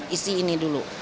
isi ini dulu